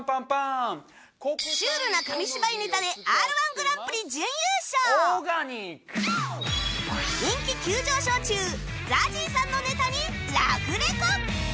シュールな紙芝居ネタで人気急上昇中 ＺＡＺＹ さんのネタにラフレコ！